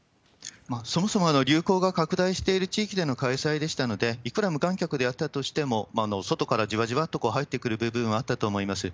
そもそも流行が拡大している地域での開催でしたので、いくら無観客であったとしても、外からじわじわっと入ってくる部分はあったと思います。